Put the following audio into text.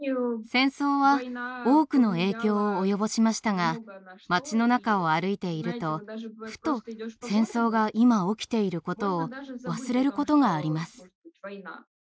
戦争は多くの影響を及ぼしましたが町の中を歩いているとふと戦争が今起きていることを忘れることがあります。